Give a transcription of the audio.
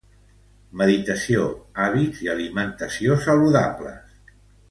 Meditació, hàbits i alimentació saludables.